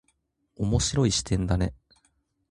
面白い視点だね。